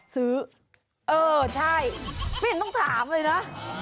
ซื้ออ่อใช่วิ่งต้องถามเลยนะ